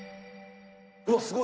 うわすごい。